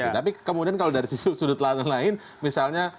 tapi kemudian kalau dari sudut lain misalnya